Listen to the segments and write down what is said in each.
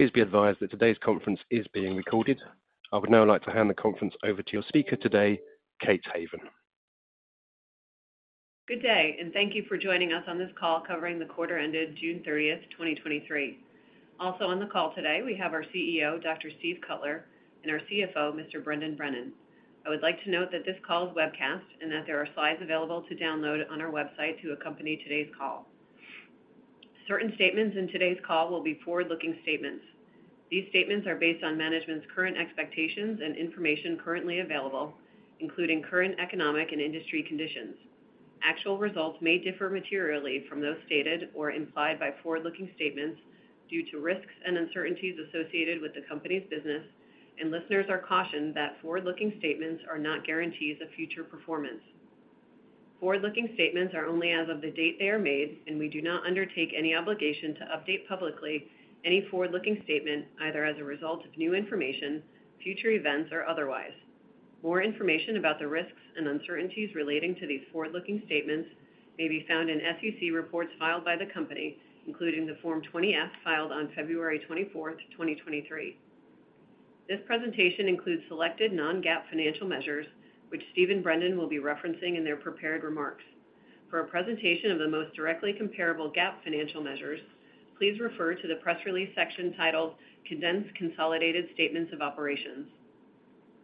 Please be advised that today's conference is being recorded. I would now like to hand the conference over to your speaker today, Kate Haven. Good day. Thank you for joining us on this call covering the quarter ended June 30th, 2023. Also on the call today, we have our CEO, Dr. Steve Cutler, and our CFO, Mr. Brendan Brennan. I would like to note that this call is webcasted. There are slides available to download on our website to accompany today's call. Certain statements in today's call will be forward-looking statements. These statements are based on management's current expectations and information currently available, including current economic and industry conditions. Actual results may differ materially from those stated or implied by forward-looking statements due to risks and uncertainties associated with the company's business. Listeners are cautioned that forward-looking statements are not guarantees of future performance. Forward-looking statements are only as of the date they are made, and we do not undertake any obligation to update publicly any forward-looking statement, either as a result of new information, future events, or otherwise. More information about the risks and uncertainties relating to these forward-looking statements may be found in SEC reports filed by the company, including the Form 20-F, filed on February 24th, 2023. This presentation includes selected non-GAAP financial measures, which Steve and Brendan will be referencing in their prepared remarks. For a presentation of the most directly comparable GAAP financial measures, please refer to the press release section titled "Condensed Consolidated Statements of Operations."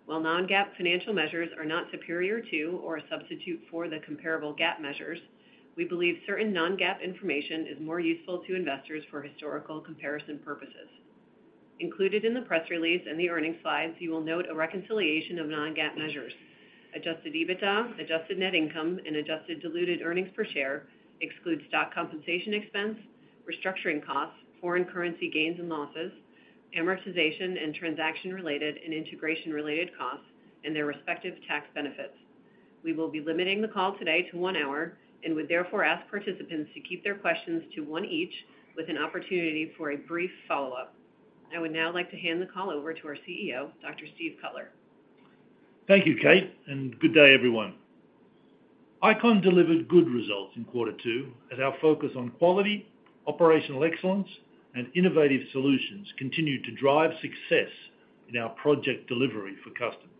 While non-GAAP financial measures are not superior to or a substitute for the comparable GAAP measures, we believe certain non-GAAP information is more useful to investors for historical comparison purposes. Included in the press release and the earnings slides, you will note a reconciliation of non-GAAP measures. Adjusted EBITDA, adjusted net income, and adjusted diluted earnings per share excludes stock compensation expense, restructuring costs, foreign currency gains and losses, amortization, and transaction-related and integration-related costs and their respective tax benefits. We will be limiting the call today to one hour and would therefore ask participants to keep their questions to one each, with an opportunity for a brief follow-up. I would now like to hand the call over to our CEO, Dr. Steve Cutler. Thank you, Kate. Good day, everyone. ICON delivered good results in quarter two, as our focus on quality, operational excellence, and innovative solutions continued to drive success in our project delivery for customers.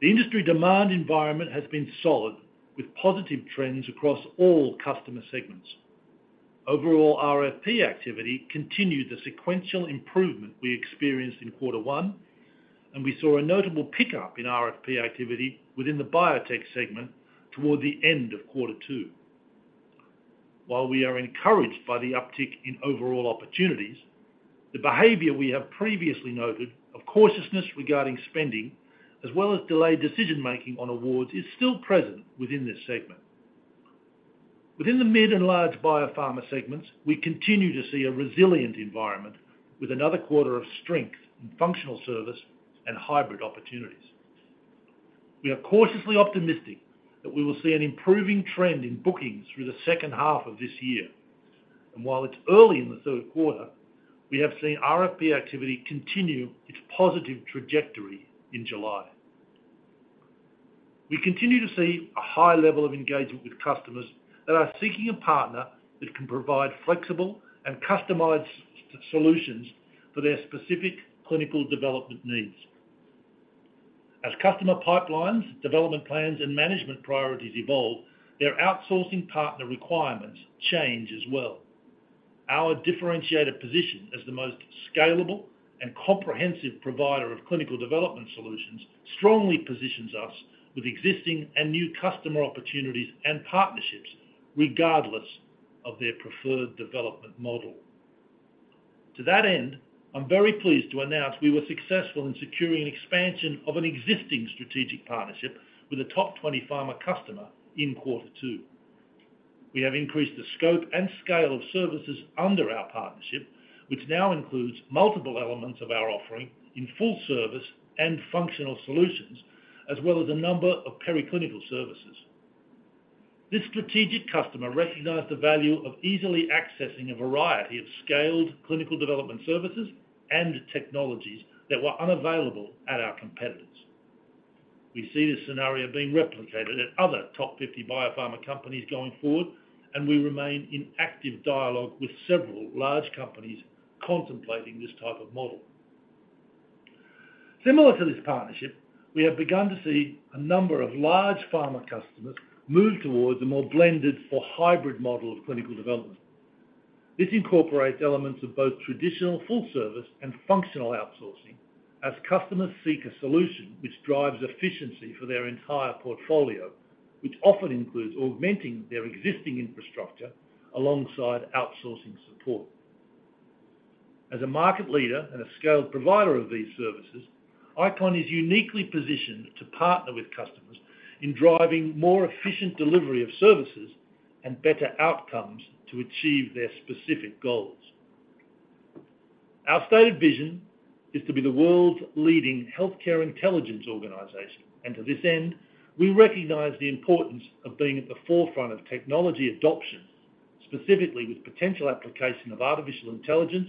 The industry demand environment has been solid, with positive trends across all customer segments. Overall, RFP activity continued the sequential improvement we experienced in quarter one, and we saw a notable pickup in RFP activity within the biotech segment toward the end of quarter two. While we are encouraged by the uptick in overall opportunities, the behavior we have previously noted of cautiousness regarding spending, as well as delayed decision-making on awards, is still present within this segment. Within the mid and large biopharma segments, we continue to see a resilient environment with another quarter of strength in functional service and hybrid opportunities. We are cautiously optimistic that we will see an improving trend in bookings through the second half of this year. While it's early in the third quarter, we have seen RFP activity continue its positive trajectory in July. We continue to see a high level of engagement with customers that are seeking a partner that can provide flexible and customized solutions for their specific clinical development needs. As customer pipelines, development plans, and management priorities evolve, their outsourcing partner requirements change as well. Our differentiated position as the most scalable and comprehensive provider of clinical development solutions strongly positions us with existing and new customer opportunities and partnerships, regardless of their preferred development model. To that end, I'm very pleased to announce we were successful in securing an expansion of an existing strategic partnership with a top 20 pharma customer in quarter two. We have increased the scope and scale of services under our partnership, which now includes multiple elements of our offering in full service and functional solutions, as well as a number of preclinical services. This strategic customer recognized the value of easily accessing a variety of scaled clinical development services and technologies that were unavailable at our competitors. We see this scenario being replicated at other top 50 biopharma companies going forward, and we remain in active dialogue with several large companies contemplating this type of model. Similar to this partnership, we have begun to see a number of large pharma customers move towards a more blended or hybrid model of clinical development. This incorporates elements of both traditional full service and functional outsourcing as customers seek a solution which drives efficiency for their entire portfolio, which often includes augmenting their existing infrastructure alongside outsourcing support. As a market leader and a scaled provider of these services, ICON is uniquely positioned to partner with customers in driving more efficient delivery of services and better outcomes to achieve their specific goals. Our stated vision is to be the world's leading healthcare intelligence organization. To this end, we recognize the importance of being at the forefront of technology adoption, specifically with potential application of artificial intelligence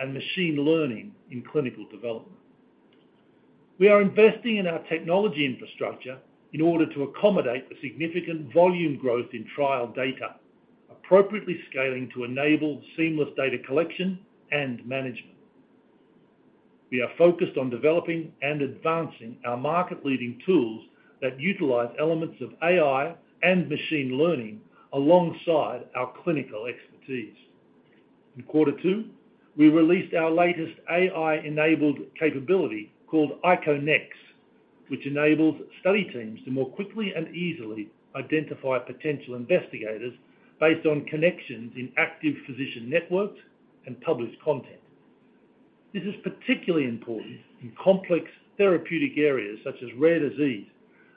and machine learning in clinical development. We are investing in our technology infrastructure in order to accommodate the significant volume growth in trial data, appropriately scaling to enable seamless data collection and management. We are focused on developing and advancing our market-leading tools that utilize elements of AI and machine learning alongside our clinical expertise. In Q2, we released our latest AI-enabled capability called ICONEX, which enables study teams to more quickly and easily identify potential investigators based on connections in active physician networks and published content. This is particularly important in complex therapeutic areas such as rare disease,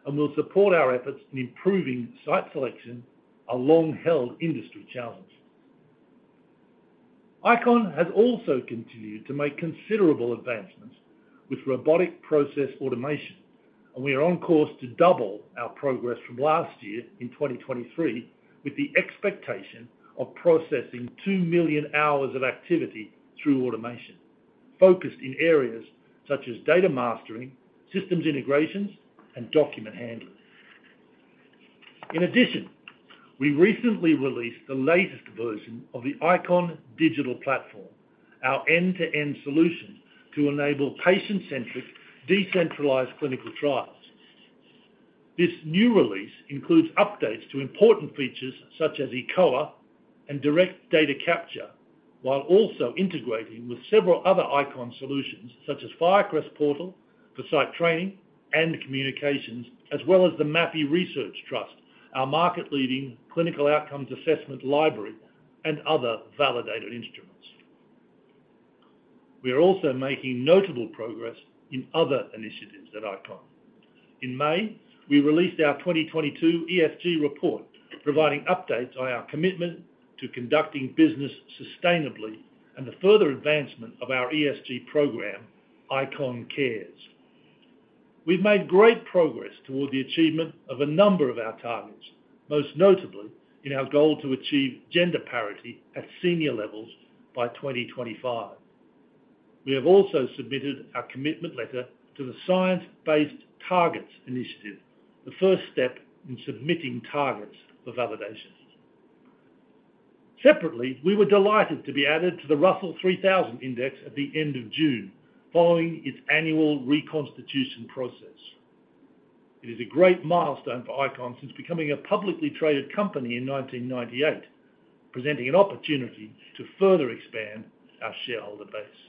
and will support our efforts in improving site selection, a long-held industry challenge. ICON has also continued to make considerable advancements with robotic process automation. We are on course to double our progress from last year in 2023, with the expectation of processing 2 million hours of activity through automation, focused in areas such as data mastering, systems integrations, and document handling. We recently released the latest version of the ICON digital platform, our end-to-end solution to enable patient-centric, decentralized clinical trials. This new release includes updates to important features such as eCOA and Direct Data Capture, while also integrating with several other ICON solutions such as Firecrest Portal for site training and communications, as well as the Mapi Research Trust, our market-leading clinical outcomes assessment library and other validated instruments. We are also making notable progress in other initiatives at ICON. In May, we released our 2022 ESG report, providing updates on our commitment to conducting business sustainably and the further advancement of our ESG program, ICON Cares. We've made great progress toward the achievement of a number of our targets, most notably in our goal to achieve gender parity at senior levels by 2025. We have also submitted our commitment letter to the Science Based Targets initiative, the first step in submitting targets for validation. Separately, we were delighted to be added to the Russell 3000 Index at the end of June, following its annual reconstitution process. It is a great milestone for ICON since becoming a publicly traded company in 1998, presenting an opportunity to further expand our shareholder base.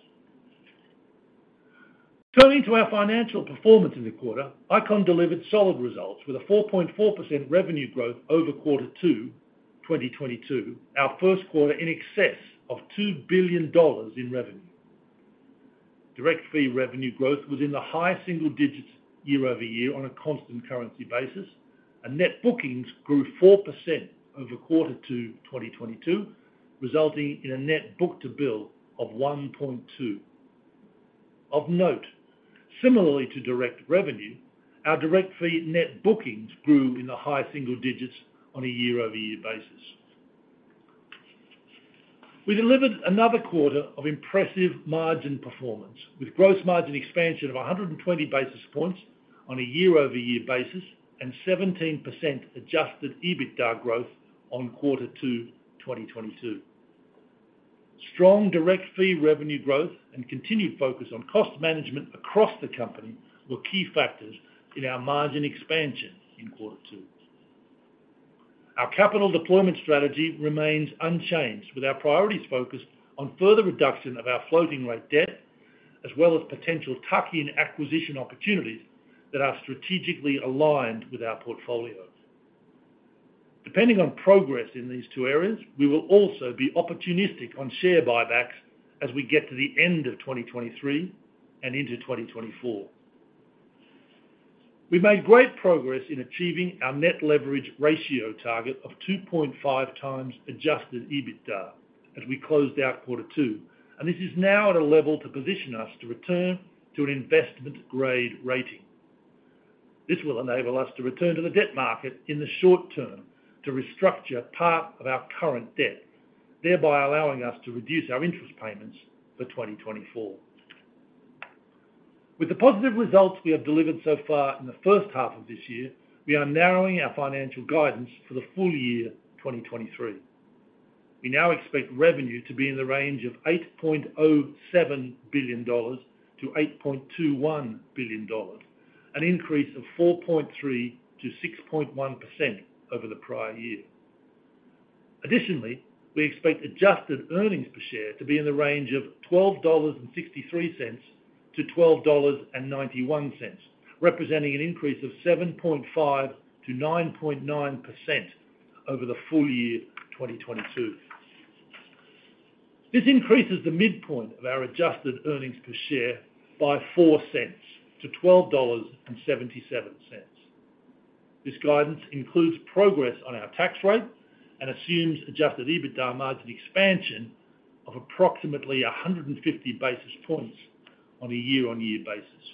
Turning to our financial performance in the quarter, ICON delivered solid results with a 4.4% revenue growth over quarter two, 2022, our first quarter in excess of $2 billion in revenue. Direct fee revenue growth was in the high single digits year-over-year on a constant currency basis, and net bookings grew 4% over quarter two, 2022, resulting in a net book-to-bill of 1.2. Of note, similarly to direct revenue, our direct fee net bookings grew in the high single digits on a year-over-year basis. We delivered another quarter of impressive margin performance, with gross margin expansion of 120 basis points on a year-over-year basis, and 17% Adjusted EBITDA growth on quarter two, 2022. Strong direct fee revenue growth and continued focus on cost management across the company were key factors in our margin expansion in quarter two. Our capital deployment strategy remains unchanged, with our priorities focused on further reduction of our floating rate debt, as well as potential tuck-in acquisition opportunities that are strategically aligned with our portfolios. Depending on progress in these two areas, we will also be opportunistic on share buybacks as we get to the end of 2023 and into 2024. We made great progress in achieving our net leverage ratio target of 2.5x adjusted EBITDA as we closed out Q2. This is now at a level to position us to return to an investment-grade rating. This will enable us to return to the debt market in the short term to restructure part of our current debt, thereby allowing us to reduce our interest payments for 2024. With the positive results we have delivered so far in the first half of this year, we are narrowing our financial guidance for the full-year 2023. We now expect revenue to be in the range of $8.07 billion-$8.21 billion, an increase of 4.3%-6.1% over the prior-year. Additionally, we expect adjusted earnings per share to be in the range of $12.63-$12.91, representing an increase of 7.5%-9.9% over the full-year 2022. This increases the midpoint of our adjusted earnings per share by $0.04-$12.77. This guidance includes progress on our tax rate and assumes adjusted EBITDA margin expansion of approximately 150 basis points on a year-on-year basis....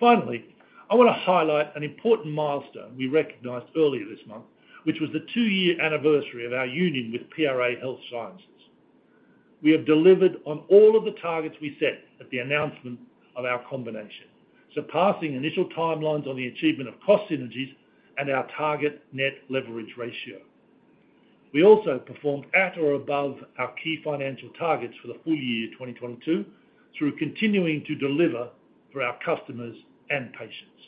Finally, I wanna highlight an important milestone we recognized earlier this month, which was the two-year anniversary of our union with PRA Health Sciences. We have delivered on all of the targets we set at the announcement of our combination, surpassing initial timelines on the achievement of cost synergies and our target net leverage ratio. We also performed at or above our key financial targets for the full-year 2022, through continuing to deliver for our customers and patients.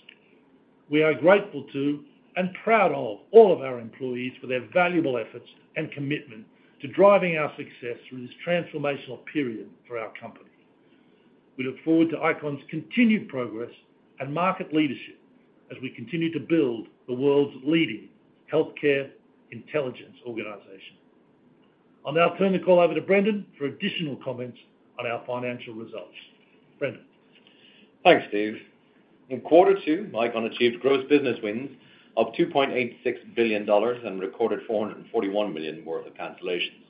We are grateful to and proud of all of our employees for their valuable efforts and commitment to driving our success through this transformational period for our company. We look forward to ICON's continued progress and market leadership as we continue to build the world's leading healthcare intelligence organization. I'll now turn the call over to Brendan for additional comments on our financial results. Brendan? Thanks, Steve. In quarter two, ICON achieved gross business wins of $2.86 billion and recorded $441 million worth of cancellations.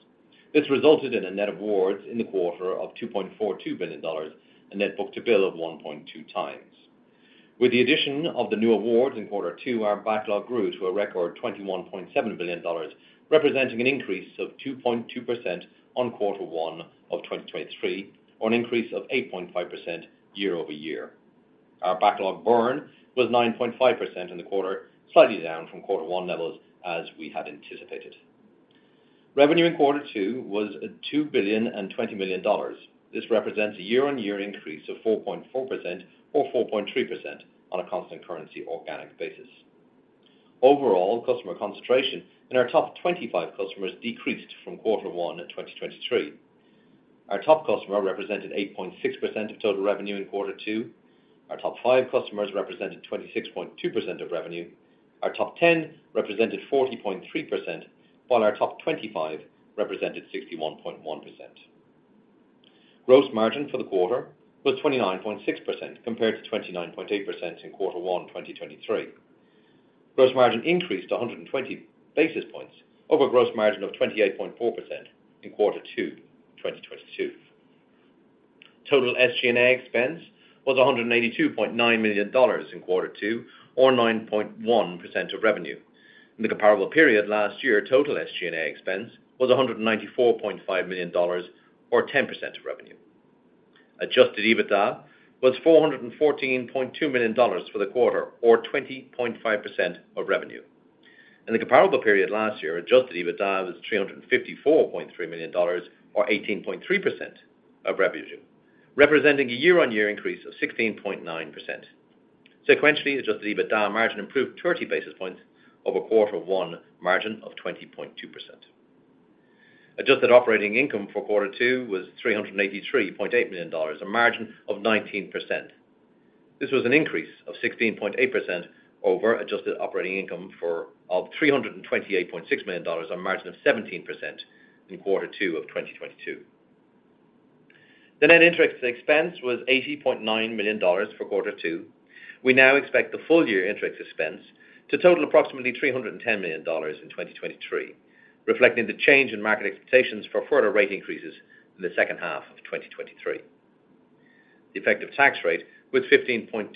This resulted in net awards in the quarter of $2.42 billion, and net book-to-bill of 1.2x. With the addition of the new awards in quarter two, our backlog grew to a record $21.7 billion, representing an increase of 2.2% on quarter one of 2023, or an increase of 8.5% year-over-year. Our backlog burn was 9.5% in the quarter, slightly down from quarter one levels, as we had anticipated. Revenue in quarter two was $2.02 billion. This represents a year-on-year increase of 4.4% or 4.3% on a constant currency organic basis. Overall, customer concentration in our top 25 customers decreased from quarter one in 2023. Our top customer represented 8.6% of total revenue in quarter two. Our top five customers represented 26.2% of revenue. Our top 10 represented 40.3%, while our top 25 represented 61.1%. Gross margin for the quarter was 29.6%, compared to 29.8% in quarter one, 2023. Gross margin increased to 120 basis points over gross margin of 28.4% in quarter two, 2022. Total SG&A expense was $182.9 million in quarter two, or 9.1% of revenue. In the comparable period last year, total SG&A expense was $194.5 million or 10% of revenue. Adjusted EBITDA was $414.2 million for the quarter, or 20.5% of revenue. In the comparable period last year, adjusted EBITDA was $354.3 million or 18.3% of revenue, representing a year-on-year increase of 16.9%. Sequentially, adjusted EBITDA margin improved 30 basis points over quarter one margin of 20.2%. Adjusted operating income for quarter two was $383.8 million, a margin of 19%. This was an increase of 16.8% over adjusted operating income of $328.6 million on margin of 17% in quarter two of 2022. The net interest expense was $80.9 million for quarter two. We now expect the full-year interest expense to total approximately $310 million in 2023, reflecting the change in market expectations for further rate increases in the second half of 2023. The effective tax rate was 15.2%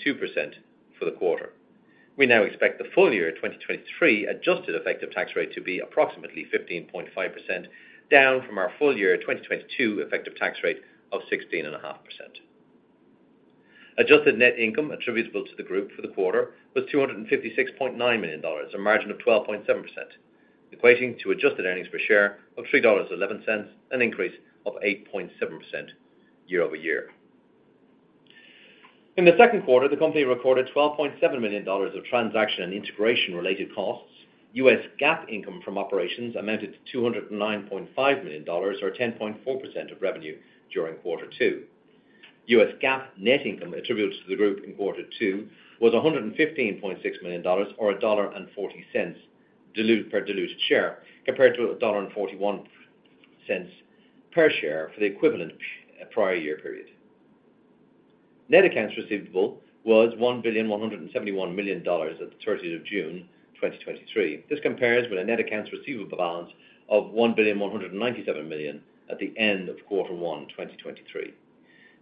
for the quarter. We now expect the full-year 2023 adjusted effective tax rate to be approximately 15.5%, down from our full-year 2022 effective tax rate of 16.5%. Adjusted net income attributable to the group for the quarter was $256.9 million, a margin of 12.7%, equating to adjusted earnings per share of $3.11, an increase of 8.7% year-over-year. In the second quarter, the company recorded $12.7 million of transaction and integration-related costs. US GAAP income from operations amounted to $209.5 million or 10.4% of revenue during quarter two. US GAAP net income attributable to the group in quarter two was $115.6 million or $1.40 per diluted share, compared to $1.41 per share for the equivalent prior-year period. Net accounts receivable was $1,171 million at June 30th, 2023. This compares with a net accounts receivable balance of $1,197 million at the end of quarter one, 2023.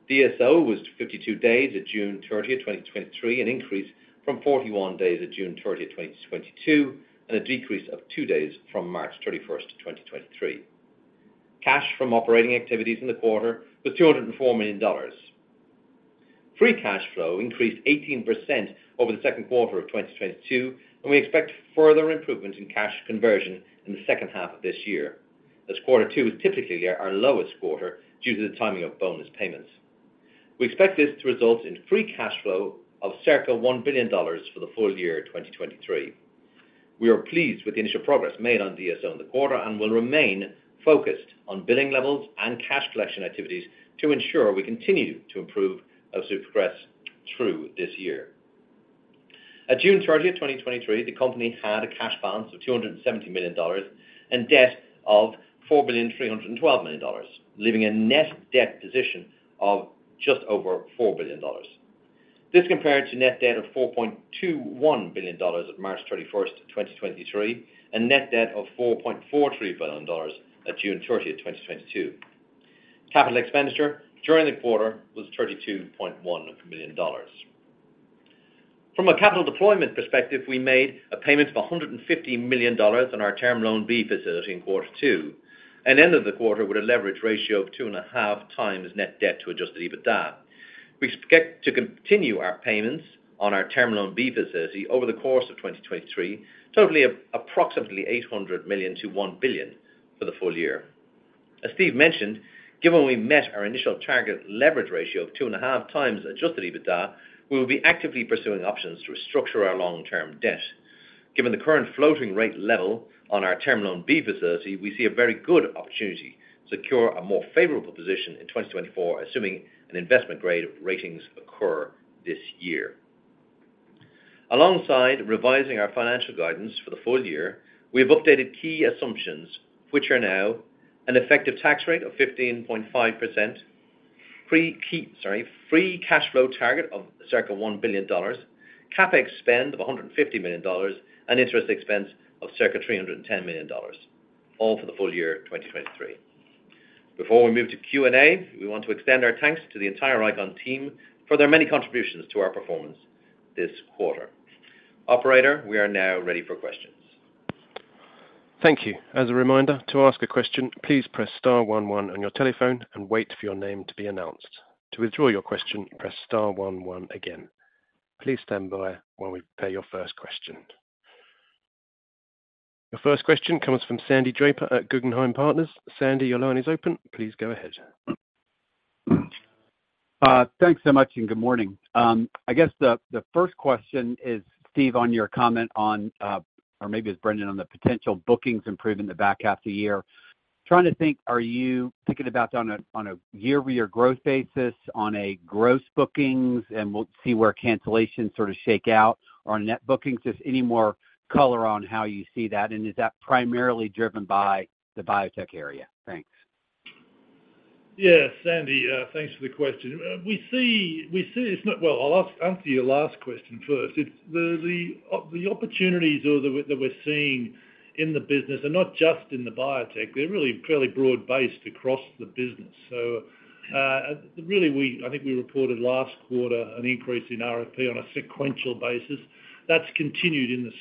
DSO was 52 days at June 30th, 2023, an increase from 41 days at June 30th, 2022, and a decrease of two days from March 31st, 2023. Cash from operating activities in the quarter was $204 million. Free cash flow increased 18% over the second quarter of 2022, and we expect further improvements in cash conversion in the second half of this year, as quarter two is typically our lowest quarter due to the timing of bonus payments. We expect this to result in free cash flow of circa $1 billion for the full-year 2023. We are pleased with the initial progress made on DSO in the quarter and will remain focused on billing levels and cash collection activities to ensure we continue to improve as we progress through this year. At June 30th, 2023, the company had a cash balance of $270 million and debt of $4.312 billion, leaving a net debt position of just over $4 billion. This compared to net debt of $4.21 billion at March 31st, 2023, and net debt of $4.43 billion at June 30th, 2022. Capital expenditure during the quarter was $32.1 million. From a capital deployment perspective, we made a payment of $150 million on our Term Loan B facility in quarter two, and end of the quarter with a leverage ratio of 2.5x net debt to adjusted EBITDA. We expect to continue our payments on our Term Loan B facility over the course of 2023, totally of approximately $800 million to $1 billion for the full-year. As Steve mentioned, given we met our initial target leverage ratio of two and a half times Adjusted EBITDA, we will be actively pursuing options to restructure our long-term debt. Given the current floating rate level on our Term Loan B facility, we see a very good opportunity to secure a more favorable position in 2024, assuming an investment-grade ratings occur this year. Alongside revising our financial guidance for the full-year, we have updated key assumptions, which are now an effective tax rate of 15.5%, free cash flow target of circa $1 billion, CapEx spend of $150 million, and interest expense of circa $310 million, all for the full-year, 2023. Before we move to Q&A, we want to extend our thanks to the entire ICON team for their many contributions to our performance this quarter. Operator, we are now ready for questions. Thank you. As a reminder, to ask a question, please press star one one on your telephone and wait for your name to be announced. To withdraw your question, press star one one again. Please stand by while we prepare your first question. Your first question comes from Alexander Draper at Guggenheim Partners. Zandy, your line is open. Please go ahead. Thanks so much, and good morning. I guess the first question is, Steve, on your comment on, or maybe it's Brendan, on the potential bookings improving the back half of the year. Trying to think, are you thinking about on a year-over-year growth basis, on a gross bookings, and we'll see where cancellations sort of shake out or net bookings? Just any more color on how you see that, and is that primarily driven by the biotech area? Thanks. Yeah, Xandy, thanks for the question. We see, I'll answer your last question first. It's the opportunities or that we're seeing in the business and not just in the biotech, they're really fairly broad-based across the business. Really, I think we reported last quarter an increase in RFP on a sequential basis. That's continued in the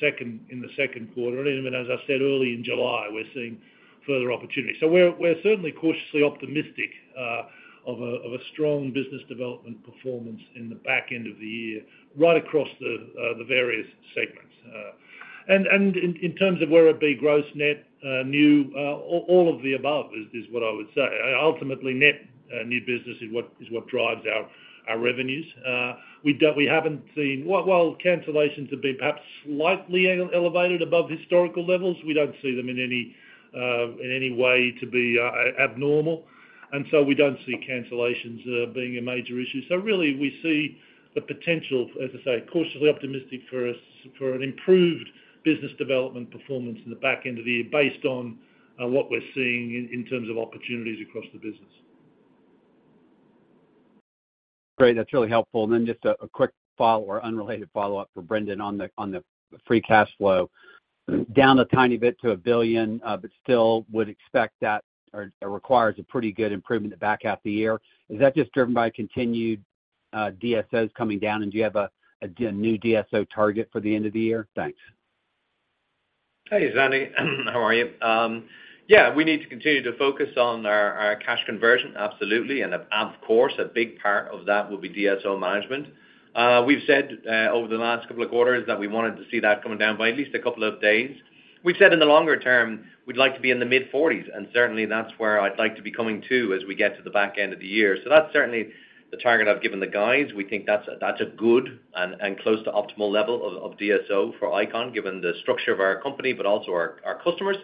second quarter. Even as I said, early in July, we're seeing further opportunities. We're certainly cautiously optimistic of a strong business development performance in the back end of the year, right across the various segments. In terms of where it be gross, net, new, all of the above is what I would say. Ultimately, net new business is what drives our revenues. We don't. While cancellations have been perhaps slightly elevated above historical levels, we don't see them in any way to be abnormal, and so we don't see cancellations being a major issue. Really, we see the potential, as I say, cautiously optimistic for us, for an improved business development performance in the back end of the year, based on what we're seeing in terms of opportunities across the business. Great, that's really helpful. Just a quick follow or unrelated follow-up for Brendan on the free cash flow. Down a tiny bit to $1 billion, but still would expect that, or requires a pretty good improvement to back half the year. Is that just driven by continued DSOs coming down? Do you have a new DSO target for the end of the year? Thanks. Hey, Zanny, how are you? Yeah, we need to continue to focus on our cash conversion, absolutely. Of course, a big part of that will be DSO management. We've said over the last couple of quarters that we wanted to see that coming down by at least a couple of days. We've said in the longer term, we'd like to be in the mid-40s, and certainly that's where I'd like to be coming to as we get to the back end of the year. That's certainly the target I've given the guys. We think that's a good and close to optimal level of DSO for ICON, given the structure of our company, but also our customers.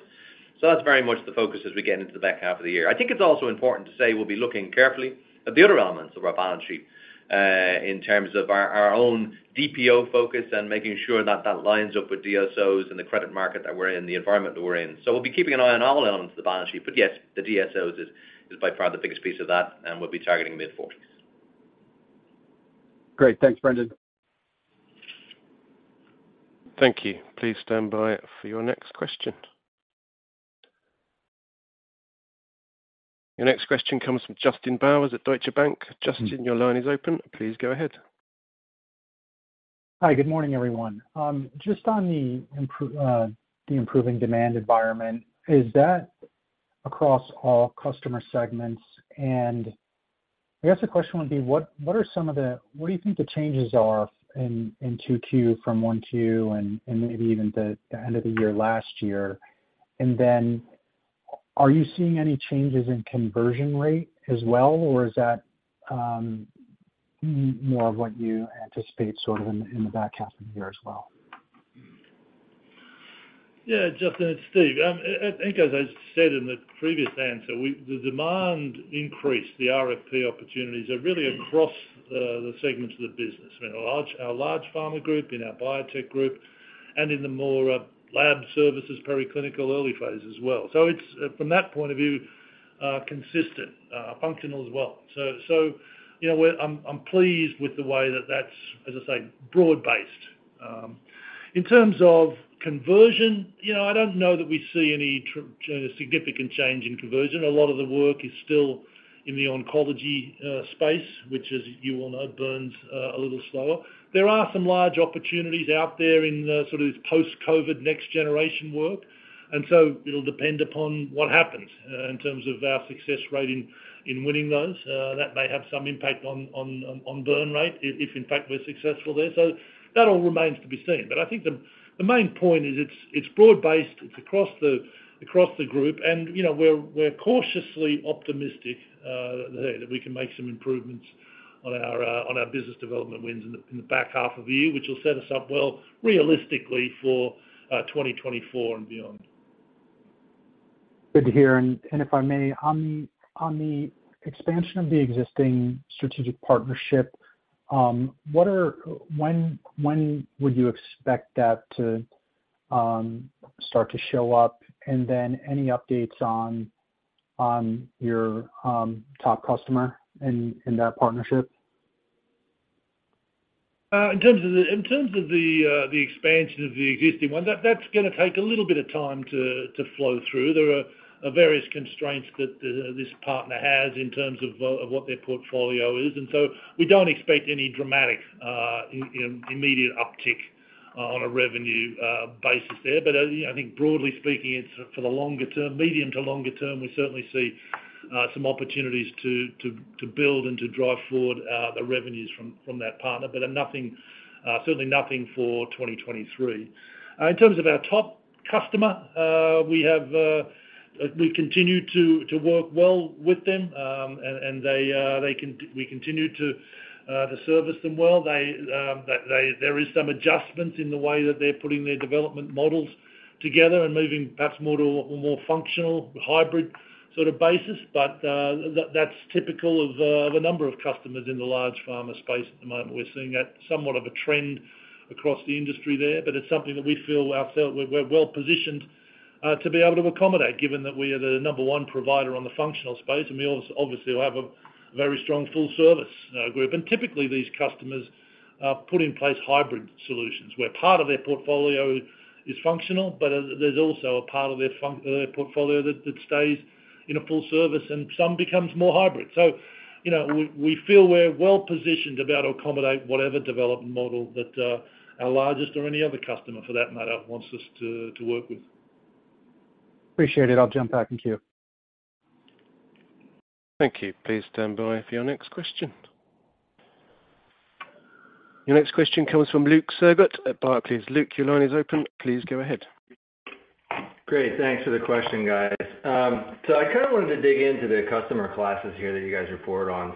That's very much the focus as we get into the back half of the year. I think it's also important to say we'll be looking carefully at the other elements of our balance sheet, in terms of our own DPO focus and making sure that that lines up with DSOs and the credit market that we're in, the environment that we're in. We'll be keeping an eye on all elements of the balance sheet, but yes, the DSOs is by far the biggest piece of that, and we'll be targeting mid-forties. Great. Thanks, Brendan. Thank you. Please stand by for your next question. Your next question comes from Justin Bowers at Deutsche Bank. Justin, your line is open. Please go ahead. Hi, good morning, everyone. Just on the improving demand environment, is that across all customer segments? I guess the question would be: What do you think the changes are in 2Q from 1Q and maybe even the end of the year last year? Are you seeing any changes in conversion rate as well, or is that more of what you anticipate sort of in the back half of the year as well? Yeah, Justin, it's Steve. I think as I said in the previous answer, the demand increase, the RFP opportunities are really across the segments of the business. In a large pharma group, in our biotech group, and in the more lab services, very clinical early phase as well. It's, from that point of view, consistent, functional as well. You know, we're pleased with the way that that's, as I say, broad-based. In terms of conversion, you know, I don't know that we see any significant change in conversion. A lot of the work is still in the oncology space, which as you all know, burns a little slower. There are some large opportunities out there in sort of this post-COVID, next generation work. It'll depend upon what happens in terms of our success rate in winning those. That may have some impact on burn rate, if in fact, we're successful there. That all remains to be seen. I think the main point is it's broad-based, it's across the group, and, you know, we're cautiously optimistic that we can make some improvements on our business development wins in the back half of the year, which will set us up well, realistically for 2024 and beyond. Good to hear. If I may, on the expansion of the existing strategic partnership, when would you expect that to start to show up? Then any updates on your top customer in that partnership? In terms of the, in terms of the expansion of the existing one, that's gonna take a little bit of time to flow through. There are various constraints that this partner has in terms of what their portfolio is, and so we don't expect any dramatic, you know, immediate uptick on a revenue basis there. Yeah, I think broadly speaking, it's for the longer term, medium to longer term, we certainly see some opportunities to build and to drive forward the revenues from that partner, but nothing, certainly nothing for 2023. In terms of our top customer, we have, we continue to work well with them, and they, we continue to service them well. They, there is some adjustment in the way that they're putting their development models together and moving perhaps more to a more functional, hybrid sort of basis. That's typical of a number of customers in the large pharma space at the moment. We're seeing that somewhat of a trend across the industry there, but it's something that we feel ourself, we're well-positioned to be able to accommodate, given that we are the number one provider on the functional space, and we obviously will have a very strong full service group. Typically, these customers put in place hybrid solutions, where part of their portfolio is functional, but there's also a part of their portfolio that stays in a full service, and some becomes more hybrid. You know, we feel we're well-positioned to be able to accommodate whatever development model that our largest or any other customer, for that matter, wants us to work with. Appreciate it. I'll jump back in queue. Thank you. Please stand by for your next question. Your next question comes from Luke Sergott at Barclays. Luke, your line is open. Please go ahead. Great. Thanks for the question, guys. I kinda wanted to dig into the customer classes here that you guys report on.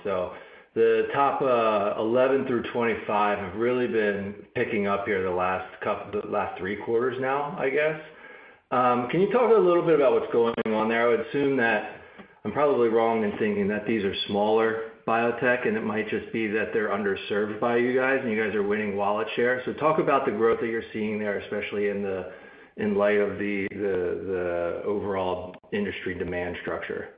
The top, 11 through 25 have really been picking up here the last three quarters now, I guess. Can you talk a little bit about what's going on there? I would assume that I'm probably wrong in thinking that these are smaller biotech, and it might just be that they're underserved by you guys, and you guys are winning wallet share. Talk about the growth that you're seeing there, especially in the, in light of the overall industry demand structure.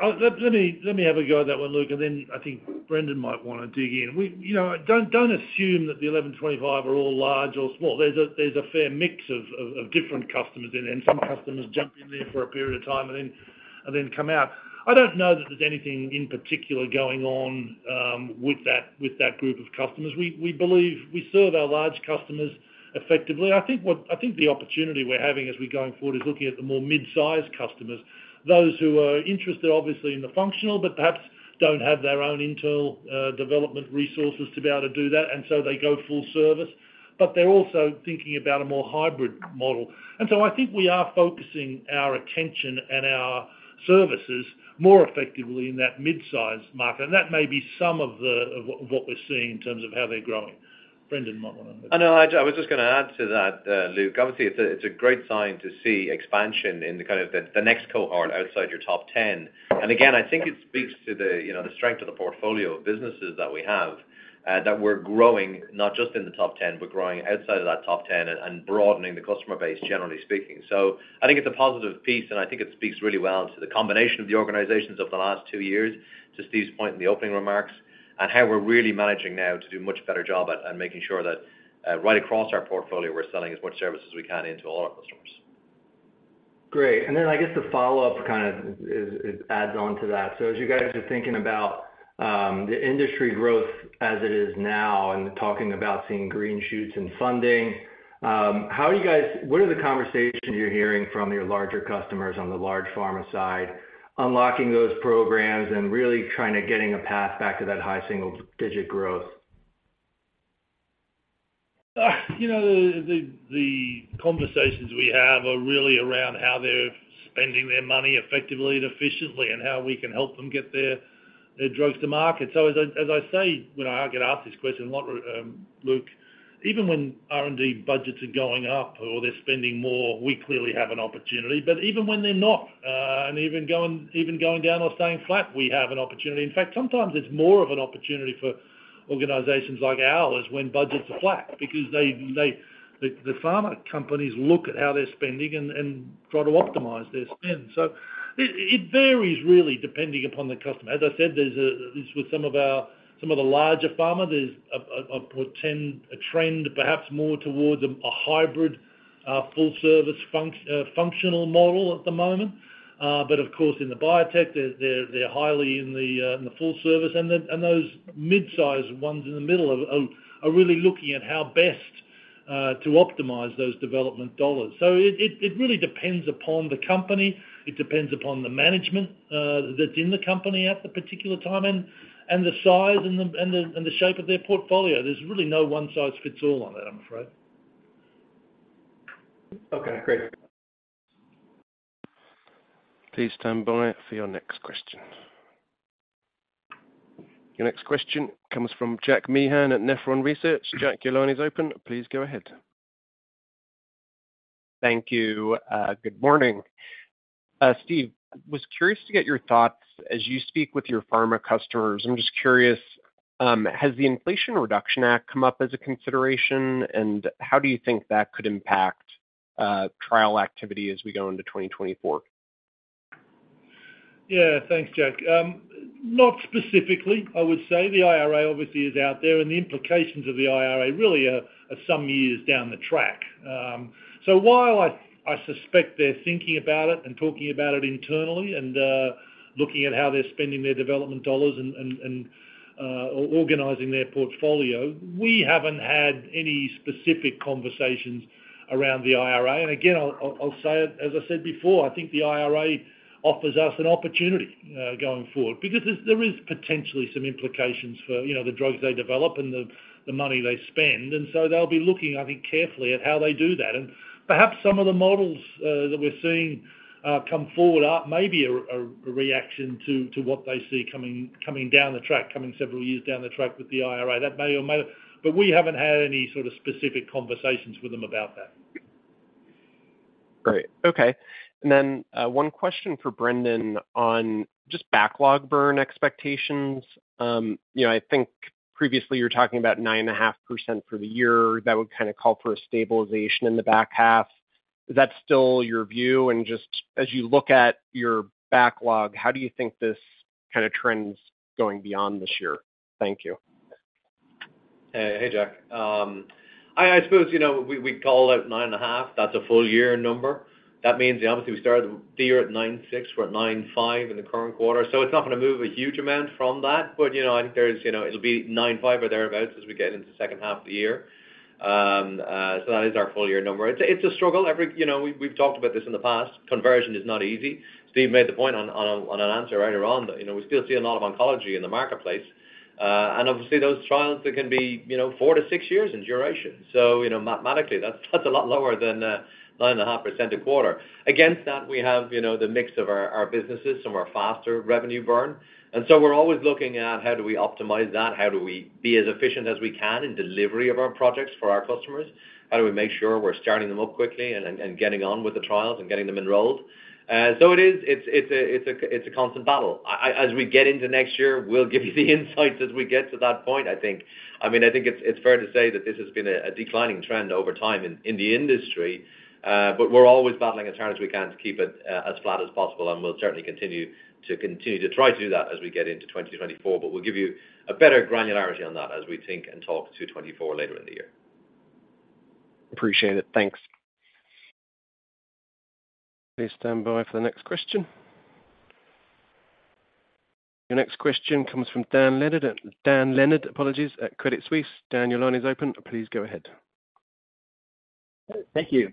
Let me have a go at that one, Luke, and then I think Brendan might wanna dig in. You know, don't assume that the 1,125 are all large or small. There's a fair mix of different customers in, and some customers jump in there for a period of time and then come out. I don't know that there's anything in particular going on with that group of customers. We believe we serve our large customers effectively. I think the opportunity we're having as we're going forward is looking at the more mid-sized customers, those who are interested, obviously, in the functional, but perhaps don't have their own intel development resources to be able to do that, and so they go full service, but they're also thinking about a more hybrid model. I think we are focusing our attention and our services more effectively in that mid-size market, and that may be some of the, of what we're seeing in terms of how they're growing. Brendan might wanna- I know, I was just gonna add to that, Luke. Obviously, it's a great sign to see expansion in the kind of the next cohort outside your top 10. Again, I think it speaks to the, you know, the strength of the portfolio of businesses that we have, that we're growing, not just in the top 10, but growing outside of that top 10 and broadening the customer base, generally speaking. I think it's a positive piece, and I think it speaks really well to the combination of the organizations over the last two years, to Steve's point in the opening remarks, and how we're really managing now to do a much better job at making sure that right across our portfolio, we're selling as much services as we can into all our customers. Great. I guess the follow-up kinda is, adds on to that. As you guys are thinking about the industry growth as it is now and talking about seeing green shoots and funding, how are you guys, what are the conversations you're hearing from your larger customers on the large pharma side, unlocking those programs and really trying to getting a path back to that high single-digit growth? You know, the conversations we have are really around how they're spending their money effectively and efficiently, and how we can help them get their drugs to market. As I say, when I get asked this question, a lot, Luke, even when R&D budgets are going up or they're spending more, we clearly have an opportunity. Even when they're not, and even going down or staying flat, we have an opportunity. In fact, sometimes it's more of an opportunity for organizations like ours when budgets are flat, because the pharma companies look at how they're spending and try to optimize their spend. It varies really, depending upon the customer. As I said, there's a. With some of the larger pharma, there's a trend, perhaps more towards a hybrid... Our full service functional model at the moment. But of course, in the biotech, they're highly in the full service. Those mid-size ones in the middle are really looking at how best to optimize those development dollars. It really depends upon the company, it depends upon the management that's in the company at the particular time, and the size and the shape of their portfolio. There's really no one-size-fits-all on that, I'm afraid. Okay, great. Please stand by for your next question. Your next question comes from Jack Meehan at Nephron Research. Jack, your line is open. Please go ahead. Thank you. Good morning. Steve, was curious to get your thoughts. As you speak with your pharma customers, I'm just curious, has the Inflation Reduction Act come up as a consideration? How do you think that could impact, trial activity as we go into 2024? Yeah, thanks, Jack. Not specifically, I would say. The IRA obviously is out there. The implications of the IRA really are some years down the track. While I suspect they're thinking about it and talking about it internally and looking at how they're spending their development dollars and organizing their portfolio, we haven't had any specific conversations around the IRA. Again, I'll say it, as I said before, I think the IRA offers us an opportunity going forward. There is potentially some implications for, you know, the drugs they develop and the money they spend, so they'll be looking, I think, carefully at how they do that. Perhaps some of the models that we're seeing come forward are maybe a reaction to what they see coming down the track, several years down the track with the IRA. That may or may not. We haven't had any sort of specific conversations with them about that. Great. Okay. Then, one question for Brendan on just backlog burn expectations. You know, I think previously you were talking about 9.5% for the year. That would kinda call for a stabilization in the back half. Is that still your view? Just as you look at your backlog, how do you think this kinda trend is going beyond this year? Thank you. Hey, Jack. I suppose, you know, we called out 9.5. That's a full-year number. That means obviously, we started the year at 9.6, we're at 9.5 in the current quarter, so it's not gonna move a huge amount from that. You know, I think there's, you know, it'll be 9.5 or thereabout as we get into second half of the year. So that is our full-year number. It's a struggle. You know, we've talked about this in the past, conversion is not easy. Steve made the point on an answer earlier on that, you know, we still see a lot of oncology in the marketplace. Obviously those trials, they can be, you know, 4 years-6 years in duration. you know, mathematically, that's a lot lower than 9.5% a quarter. Against that, we have, you know, the mix of our businesses, some are faster revenue burn. we're always looking at how do we optimize that, how do we be as efficient as we can in delivery of our projects for our customers? How do we make sure we're starting them up quickly and getting on with the trials and getting them enrolled? it's a constant battle. As we get into next year, we'll give you the insights as we get to that point, I think. I mean, I think it's, it's fair to say that this has been a, a declining trend over time in, in the industry, but we're always battling as hard as we can to keep it as flat as possible, and we'll certainly continue to try to do that as we get into 2024. We'll give you a better granularity on that as we think and talk to 2024 later in the year. Appreciate it. Thanks. Please stand by for the next question. Your next question comes from Daniel Leonard, apologies, at Credit Suisse. Dan, your line is open. Please go ahead. Thank you.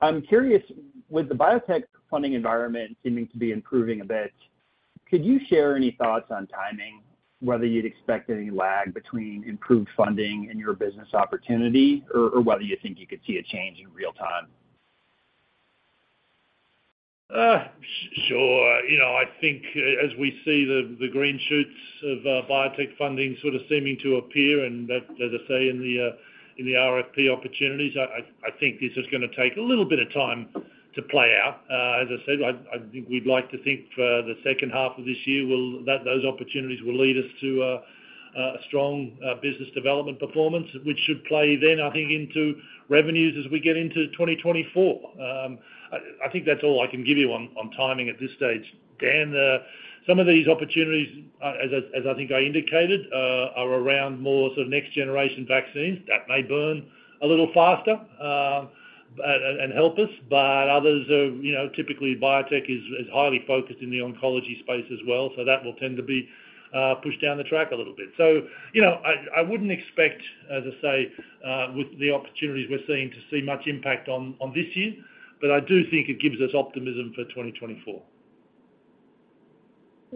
I'm curious, with the biotech funding environment seeming to be improving a bit, could you share any thoughts on timing, whether you'd expect any lag between improved funding and your business opportunity, or whether you think you could see a change in real time? Sure. You know, I think as we see the green shoots of biotech funding sort of seeming to appear, and that, as I say, in the RFP opportunities, I think this is gonna take a little bit of time to play out. As I said, I think we'd like to think for the second half of this year that those opportunities will lead us to a strong business development performance, which should play then, I think, into revenues as we get into 2024. I think that's all I can give you on timing at this stage, Dan. Some of these opportunities, as I think I indicated, are around more sort of next-generation vaccines. That may burn a little faster, and help us. Others are, you know, typically, biotech is highly focused in the oncology space as well, so that will tend to be pushed down the track a little bit. You know, I wouldn't expect, as I say, with the opportunities we're seeing, to see much impact on this year, but I do think it gives us optimism for 2024.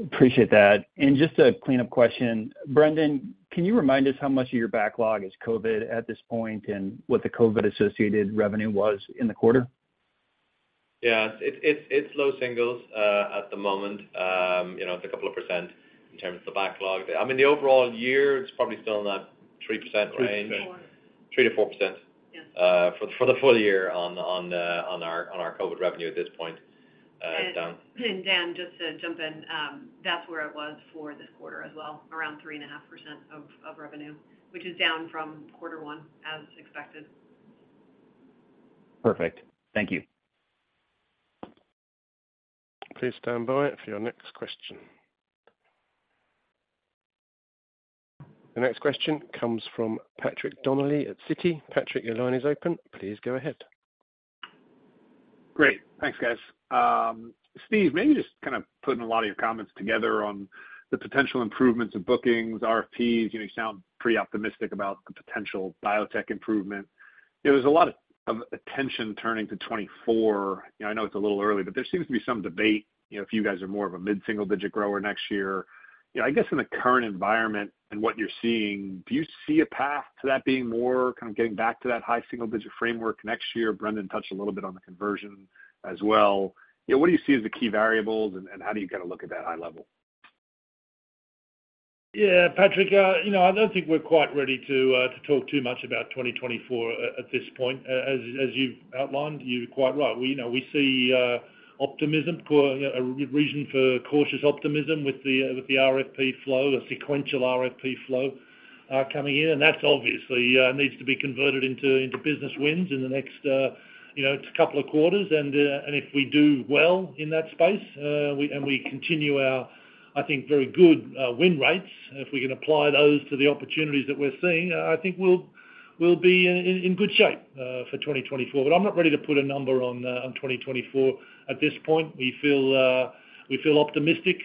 Appreciate that. Just a cleanup question. Brendan, can you remind us how much of your backlog is COVID at this point, and what the COVID-associated revenue was in the quarter? Yeah. It's low singles, at the moment. You know, it's a couple of % in terms of the backlog. I mean, the overall year, it's probably still in that 3% range. 3 to 4. 3%-4%. Yes for the full-year on the, on our COVID revenue at this point, Dan. Dan, just to jump in, that's where it was for this quarter as well, around 3.5% of revenue, which is down from Q1, as expected. Perfect. Thank you. Please stand by for your next question. The next question comes from Patrick Donnelly at Citi. Patrick, your line is open. Please go ahead. Great. Thanks, guys. Steve, maybe just kind of putting a lot of your comments together on the potential improvements in bookings, RFPs, you know, you sound pretty optimistic about the potential biotech improvement. There was a lot of attention turning to 2024. I know it's a little early, but there seems to be some debate, you know, if you guys are more of a mid-single digit grower next year. You know, I guess in the current environment and what you're seeing, do you see a path to that being more, kind of, getting back to that high single digit framework next year? Brendan touched a little bit on the conversion as well. You know, what do you see as the key variables, and how do you kind of look at that high level? Yeah, Patrick, you know, I don't think we're quite ready to talk too much about 2024 at this point. As you've outlined, you're quite right. We know, we see optimism, a reason for cautious optimism with the, with the RFP flow, the sequential RFP flow, coming in, and that obviously needs to be converted into, into business wins in the next, you know, couple of quarters. If we do well in that space, and we continue our, I think, very good win rates, if we can apply those to the opportunities that we're seeing, I think we'll, we'll be in, in good shape for 2024. I'm not ready to put a number on the, on 2024 at this point. We feel optimistic,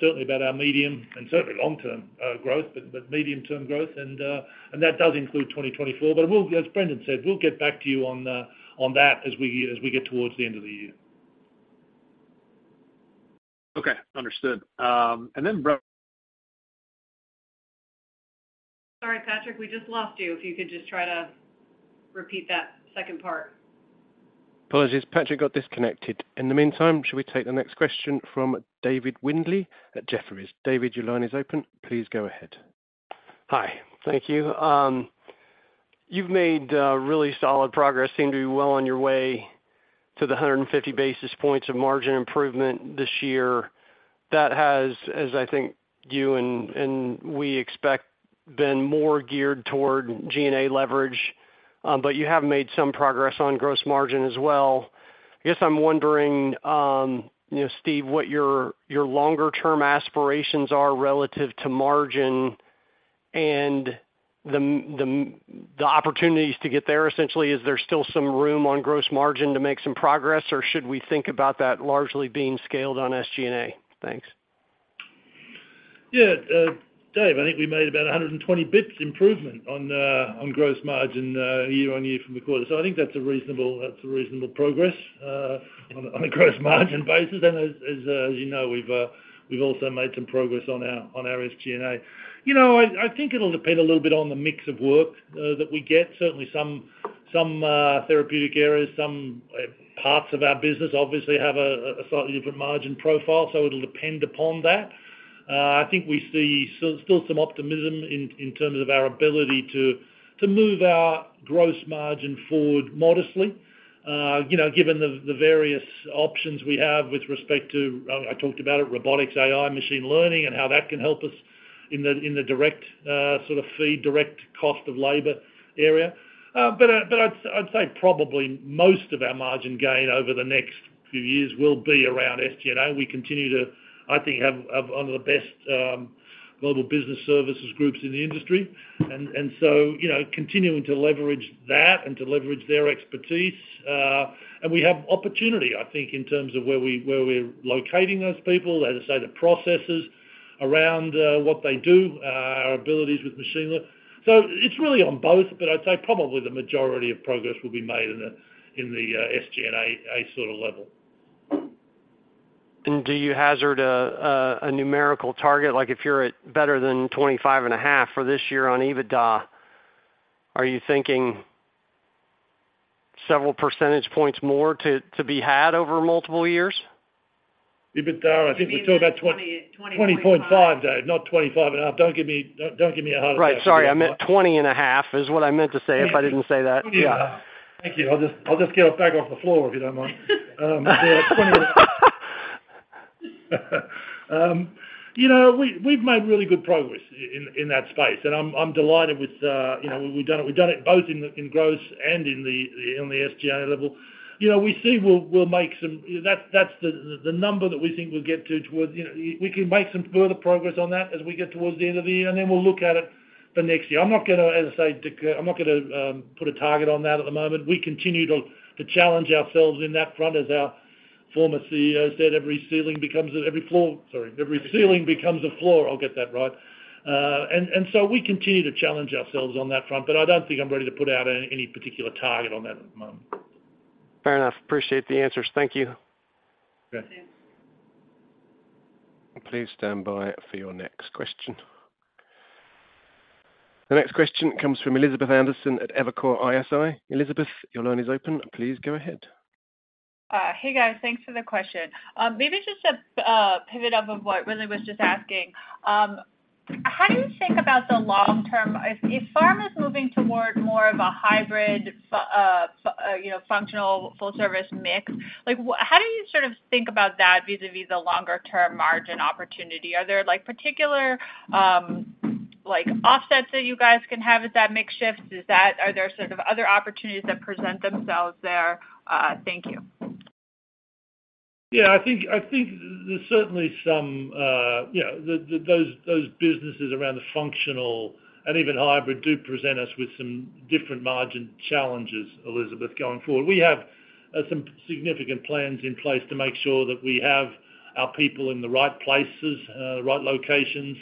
certainly about our medium and certainly long-term growth, but medium-term growth, and that does include 2024. We'll, as Brendan said, we'll get back to you on that as we get towards the end of the year. Okay, understood. Sorry, Patrick, we just lost you. If you could just try to repeat that second part. Apologies. Patrick got disconnected. In the meantime, should we take the next question from David Windley at Jefferies? David, your line is open. Please go ahead. Hi. Thank you. You've made really solid progress. Seem to be well on your way to the 150 basis points of margin improvement this year. That has, as I think you and we expect, been more geared toward GNA leverage, but you have made some progress on gross margin as well. I guess I'm wondering, you know, Steve, what your longer-term aspirations are relative to margin and the opportunities to get there, essentially. Is there still some room on gross margin to make some progress, or should we think about that largely being scaled on SGNA? Thanks. Yeah, Dave, I think we made about 120 BIPS improvement on gross margin, year-on-year from the quarter. I think that's a reasonable progress on a gross margin basis. As you know, we've also made some progress on our SGNA. You know, I think it'll depend a little bit on the mix of work that we get. Certainly some therapeutic areas, some parts of our business obviously have a slightly different margin profile, so it'll depend upon that. I think we see still some optimism in terms of our ability to move our gross margin forward modestly. You know, given the various options we have with respect to, I talked about it, robotics, AI, machine learning, and how that can help us in the direct, sort of fee, direct cost of labor area. I'd say probably most of our margin gain over the next few years will be around SG&A. We continue to, I think, have one of the best Global Business Services groups in the industry. You know, continuing to leverage that and to leverage their expertise, and we have opportunity, I think, in terms of where we, where we're locating those people, as I say, the processes around what they do, our abilities with machine learning. It's really on both, but I'd say probably the majority of progress will be made in the, in the SG&A sort of level. Do you hazard a numerical target? Like if you're at better than 25.5% for this year on EBITDA, are you thinking several percentage points more to be had over multiple years? EBITDA, I think we talked about. 20, 20.5. 20.5, Dave, not 25.5. Don't give me a heart attack. Right. Sorry, I meant 20 and a half, is what I meant to say, if I didn't say that. Yeah. Thank you. I'll just get it back off the floor, if you don't mind. You know, we've made really good progress in that space, and I'm delighted with, you know, we've done it, we've done it both in the, in gross and in the SGNA level. You know, we see we'll make some. That's the number that we think we'll get to towards, you know, we can make some further progress on that as we get towards the end of the year, and then we'll look at it for next year. I'm not gonna, as I say, put a target on that at the moment. We continue to challenge ourselves in that front. As our former CEO said, every ceiling becomes every floor, sorry, every ceiling becomes a floor. I'll get that right. We continue to challenge ourselves on that front, but I don't think I'm ready to put out any particular target on that at the moment. Fair enough. Appreciate the answers. Thank you. Okay. Thank you. Please stand by for your next question. The next question comes from Elizabeth Anderson at Evercore ISI. Elizabeth, your line is open. Please go ahead. Hey, guys. Thanks for the question. Maybe just a pivot off of what Windley was just asking. How do you think about the long term? If, if pharma is moving toward more of a hybrid functional, full service mix, like, how do you sort of think about that vis-a-vis the longer term margin opportunity? Are there, like, particular, like, offsets that you guys can have as that mix shifts? Are there sort of other opportunities that present themselves there? Thank you. Yeah, I think there's certainly some, you know, those, those businesses around the functional and even hybrid do present us with some different margin challenges, Elizabeth, going forward. We have some significant plans in place to make sure that we have our people in the right places, right locations,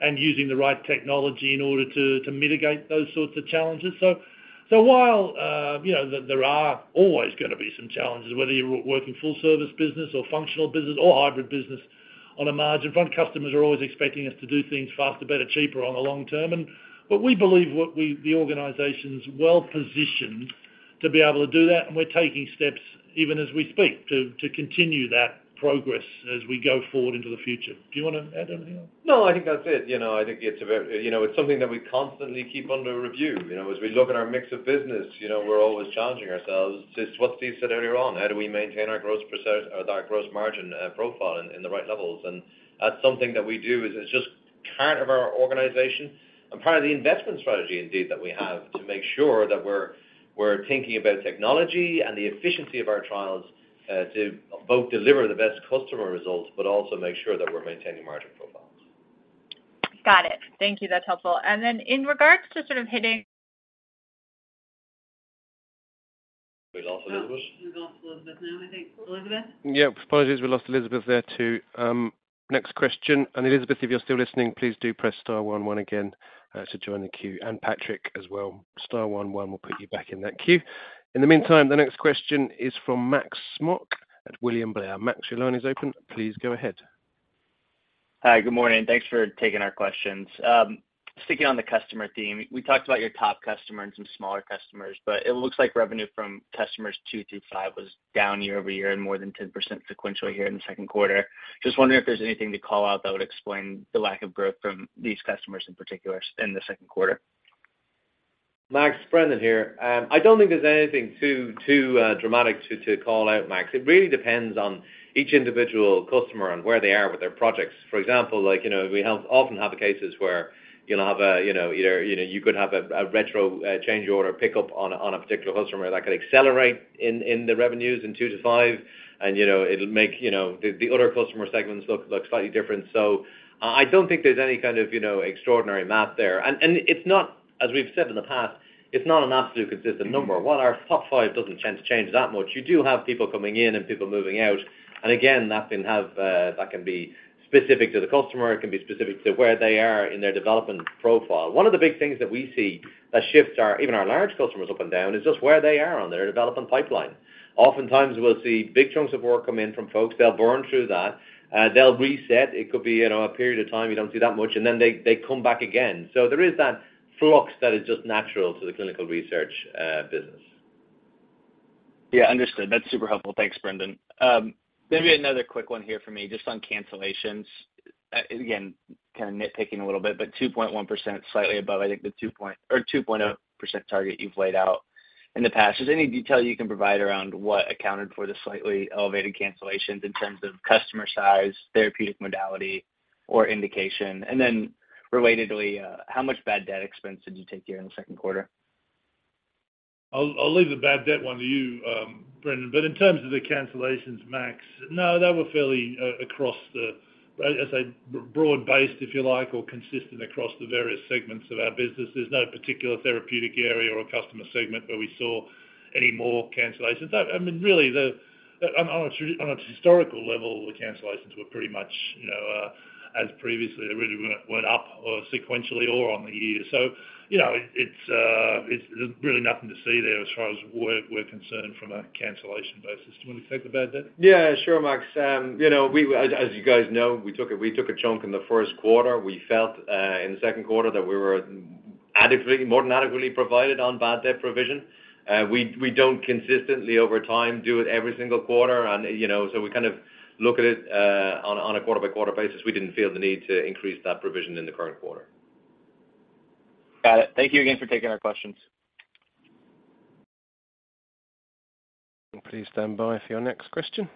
and using the right technology in order to mitigate those sorts of challenges. While, you know, there are always gonna be some challenges, whether you're working full service business or functional business or hybrid business on a margin front, customers are always expecting us to do things faster, better, cheaper on the long term. We believe what we, the organization's well-positioned to be able to do that, and we're taking steps even as we speak, to continue that progress as we go forward into the future. Do you wanna add anything else? No, I think that's it. You know, I think it's a very. You know, it's something that we constantly keep under review. You know, as we look at our mix of business, you know, we're always challenging ourselves. Just what Steve said earlier on, how do we maintain our gross percent or our gross margin profile in, in the right levels? That's something that we do. It's just part of our organization and part of the investment strategy, indeed, that we have, to make sure that we're thinking about technology and the efficiency of our trials to both deliver the best customer results, but also make sure that we're maintaining margin profiles. Got it. Thank you. That's helpful. In regards to sort of hitting- We lost Elizabeth? We've lost Elizabeth now, I think. Elizabeth? Yeah. Apologies, we lost Elizabeth there, too. Next question. Elizabeth, if you're still listening, please do press star one one again to join the queue, and Patrick as well. Star one one will put you back in that queue. In the meantime, the next question is from Max Smock at William Blair. Max, your line is open. Please go ahead. Hi, good morning. Thanks for taking our questions. Sticking on the customer theme, we talked about your top customer and some smaller customers, but it looks like revenue from customers two through five was down year-over-year and more than 10% sequentially here in the second quarter. Just wondering if there's anything to call out that would explain the lack of growth from these customers in particular in the second quarter? Max, Brendan here. I don't think there's anything dramatic to call out, Max. It really depends on each individual customer and where they are with their projects. For example, like, you know, we often have cases where you'll have a, you know, either, you know, you could have a retroactive change order pick up on a particular customer that could accelerate in the revenues in 2 to 5, and, you know, it'll make, you know, the other customer segments look slightly different. I don't think there's any kind of, you know, extraordinary math there. It's not, as we've said in the past, it's not an absolute consistent number. While our top five doesn't tend to change that much, you do have people coming in and people moving out, and again, that can have, that can be specific to the customer, it can be specific to where they are in their development profile. One of the big things that we see that shifts our, even our large customers up and down, is just where they are on their development pipeline. Oftentimes, we'll see big chunks of work come in from folks. They'll burn through that, they'll reset. It could be, you know, a period of time you don't see that much, and then they, they come back again. There is that flux that is just natural to the clinical research business. Yeah, understood. That's super helpful. Thanks, Brendan. Maybe another quick one here for me, just on cancellations. Again, kind of nitpicking a little bit, but 2.1%, slightly above, I think, the 2.0% target you've laid out in the past. Is there any detail you can provide around what accounted for the slightly elevated cancellations in terms of customer size, therapeutic modality, or indication? Then relatedly, how much bad debt expense did you take here in the 2Q? I'll leave the bad debt one to you, Brendan, but in terms of the cancellations, Max, no, they were fairly across the, as I say, broad-based, if you like, or consistent across the various segments of our business. There's no particular therapeutic area or customer segment where we saw any more cancellations. I mean, really, on a historical level, the cancellations were pretty much, you know, as previously, they really weren't up sequentially or on the year. You know, there's really nothing to see there as far as we're concerned from a cancellation basis. Do you want to take the bad debt? Sure, Max. You know, we, as, as you guys know, we took a, we took a chunk in the first quarter. We felt in the second quarter that we were adequately, more than adequately provided on bad debt provision. We, we don't consistently over time do it every single quarter. You know, so we kind of look at it on a quarter-by-quarter basis. We didn't feel the need to increase that provision in the current quarter. Got it. Thank you again for taking our questions. Please stand by for your next question.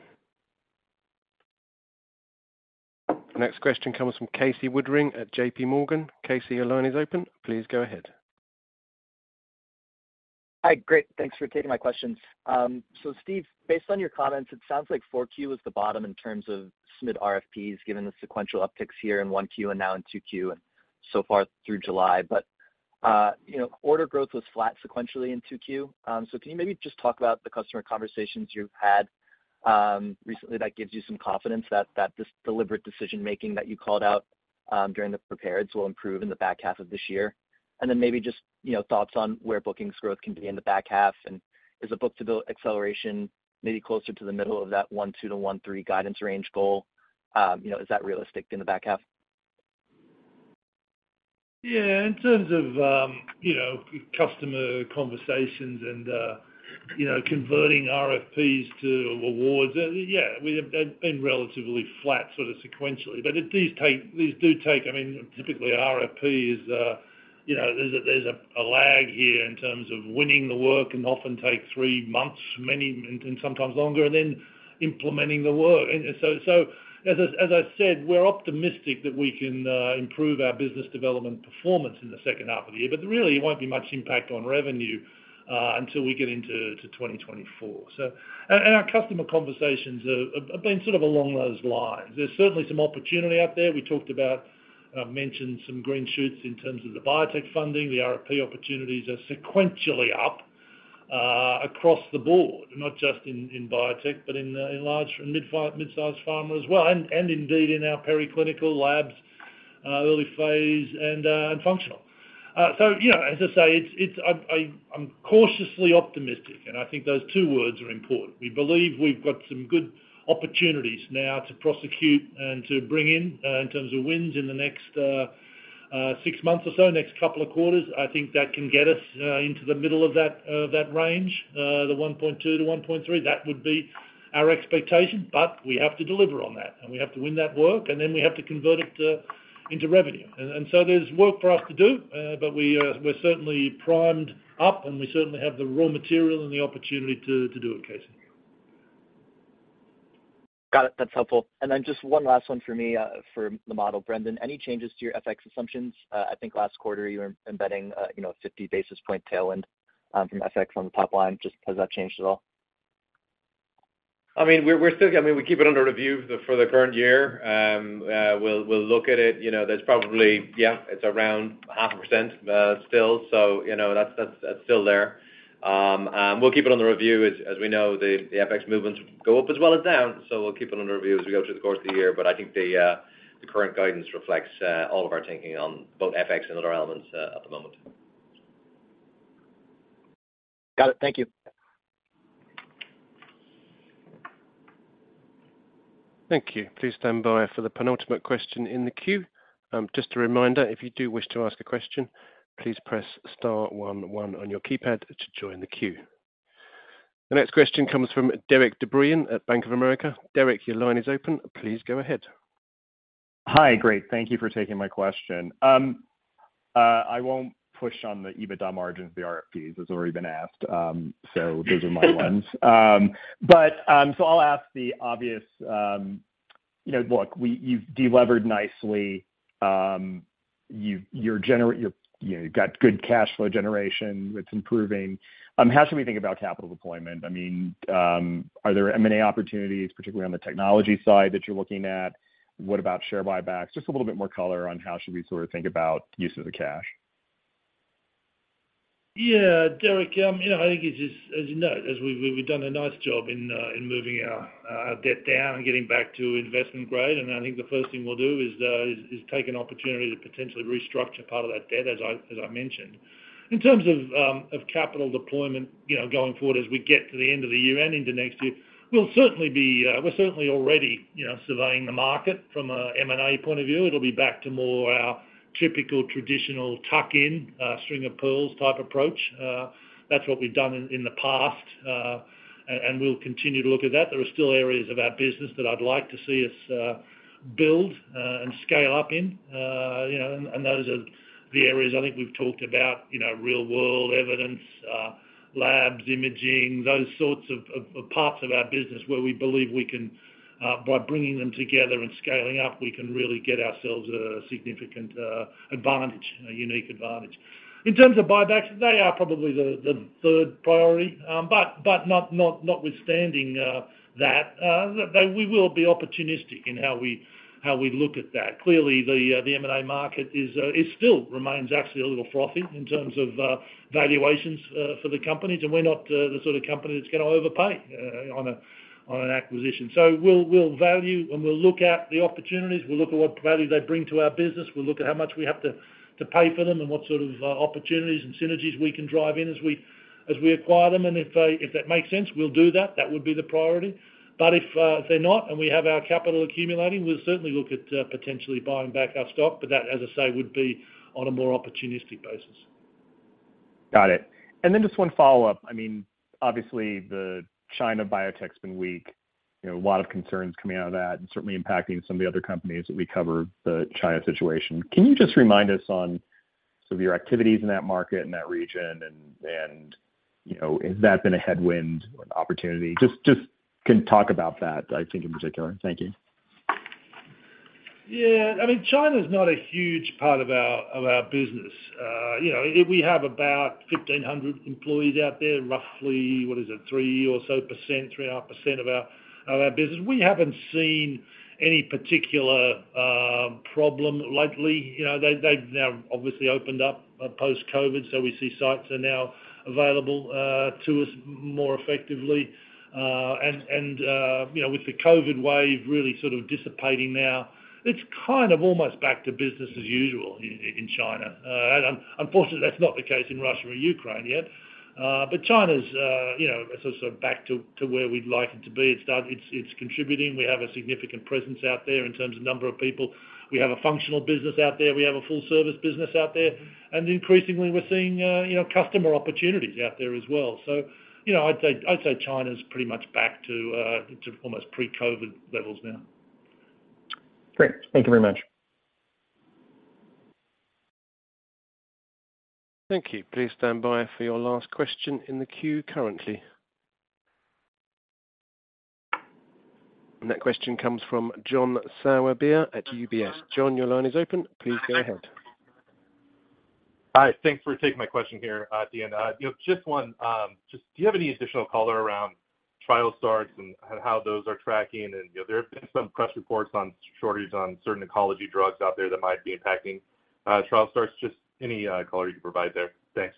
The next question comes from Casey Woodring at JP Morgan. Casey, your line is open. Please go ahead. Hi, great. Thanks for taking my questions. Steve, based on your comments, it sounds like 4Q is the bottom in terms of SMID RFPs, given the sequential upticks here in 1Q and now in 2Q and so far through July. You know, order growth was flat sequentially in 2Q. Can you maybe just talk about the customer conversations you've had recently, that gives you some confidence that this deliberate decision-making that you called out during the prepareds will improve in the back half of this year? Then maybe just, you know, thoughts on where bookings growth can be in the back half. Is the book-to-bill acceleration maybe closer to the middle of that 1.2-1.3 guidance range goal? You know, is that realistic in the back half? Yeah, in terms of, you know, customer conversations and, you know, converting RFPs to awards, yeah, we have been relatively flat, sort of sequentially. These do take, I mean, typically RFPs, you know, there's a lag here in terms of winning the work can often take three months, many, and sometimes longer, and then implementing the work. As I said, we're optimistic that we can improve our business development performance in the second half of the year, but there really won't be much impact on revenue until we get into 2024. Our customer conversations have been sort of along those lines. There's certainly some opportunity out there. We talked about, and I've mentioned some green shoots in terms of the biotech funding. The RFP opportunities are sequentially up across the board, not just in biotech, but in large and mid-size pharma as well, and indeed in our preclinical labs, early phase and functional. You know, as I say, I'm cautiously optimistic, and I think those two words are important. We believe we've got some good opportunities now to prosecute and to bring in in terms of wins in the next six months or so, next couple of quarters. I think that can get us into the middle of that range, the 1.2-1.3. That would be our expectation, but we have to deliver on that, and we have to win that work, and then we have to convert it into revenue. There's work for us to do, but we, we're certainly primed up, and we certainly have the raw material and the opportunity to, to do it, Casey. Got it. That's helpful. Just one last one for me, for the model. Brendan, any changes to your FX assumptions? I think last quarter you were embedding, you know, 50 basis point tail end from FX on the top line. Just has that changed at all? I mean, we're still, I mean, we keep it under review for the current year. We'll look at it, you know, there's probably, yeah, it's around half a % still. You know, that's still there. We'll keep it on the review. As we know, the FX movements go up as well as down, we'll keep it under review as we go through the course of the year. I think the current guidance reflects all of our thinking on both FX and other elements at the moment. Got it. Thank you. Thank you. Please stand by for the penultimate question in the queue. Just a reminder, if you do wish to ask a question, please press star one one on your keypad to join the queue. The next question comes from Derik De Bruin at Bank of America. Derik, your line is open. Please go ahead. Hi, great. Thank you for taking my question. I won't push on the EBITDA margins, the RFPs. It's already been asked, so those are my ones. So I'll ask the obvious, you know, look, you've delevered nicely, you've, you're, you know, you've got good cash flow generation. It's improving. How should we think about capital deployment? I mean, are there M&A opportunities, particularly on the technology side, that you're looking at? What about share buybacks? Just a little bit more color on how should we sort of think about use of the cash. Yeah, Derik, you know, I think it's just, as you know, as we've, we've done a nice job in moving our debt down and getting back to investment grade. I think the first thing we'll do is take an opportunity to potentially restructure part of that debt, as I mentioned. In terms of capital deployment, you know, going forward, as we get to the end of the year and into next year, we'll certainly be, we're certainly already, you know, surveying the market from a M&A point of view. It'll be back to more our typical traditional tuck in, string of pearls type approach. That's what we've done in the past, and we'll continue to look at that. There are still areas of our business that I'd like to see us build and scale up in. You know, those are the areas I think we've talked about, you know, real-world evidence, labs, imaging, those sorts of parts of our business where we believe we can, by bringing them together and scaling up, we can really get ourselves a significant advantage, a unique advantage. In terms of buybacks, they are probably the third priority, but not notwithstanding that, we will be opportunistic in how we look at that. Clearly, the M&A market is still remains actually a little frothy in terms of valuations for the companies, and we're not the sort of company that's gonna overpay on an acquisition. We'll value, and we'll look at the opportunities, we'll look at what value they bring to our business, we'll look at how much we have to, to pay for them and what sort of opportunities and synergies we can drive in as we acquire them. If they, if that makes sense, we'll do that. That would be the priority. If they're not and we have our capital accumulating, we'll certainly look at potentially buying back our stock. That, as I say, would be on a more opportunistic basis. Got it. Then just 1 follow-up. I mean, obviously, the China biotech's been weak. You know, a lot of concerns coming out of that and certainly impacting some of the other companies that we cover, the China situation. Can you just remind us on some of your activities in that market, in that region? You know, has that been a headwind or an opportunity? Just can talk about that, I think, in particular. Thank you. I mean, China's not a huge part of our business. You know, we have about 1,500 employees out there, roughly, what is it? 3% or so, 3.5% of our business. We haven't seen any particular problem lately. You know, they've now obviously opened up post-COVID, so we see sites are now available to us more effectively. You know, with the COVID wave really sort of dissipating now, it's kind of almost back to business as usual in China. Unfortunately, that's not the case in Russia or Ukraine yet. China's, you know, so sort of back to where we'd like it to be. It's contributing. We have a significant presence out there in terms of number of people. We have a functional business out there. We have a full service business out there, and increasingly, we're seeing, you know, customer opportunities out there as well. You know, I'd say China's pretty much back to, to almost pre-COVID levels now. Great. Thank you very much. Thank you. Please stand by for your last question in the queue currently. That question comes from John Sourbeer at UBS. John, your line is open. Please go ahead. Hi, thanks for taking my question here, Dan. You know, do you have any additional color around trial starts and how those are tracking? You know, there have been some press reports on shortages on certain oncology drugs out there that might be impacting, trial starts. Just any, color you can provide there? Thanks.